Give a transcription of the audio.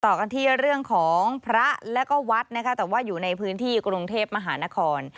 ต่อกันที่เรื่องของพระแล้วก็วัดนะคะแต่ว่าอยู่ในพื้นที่กรุงเทพมหานคร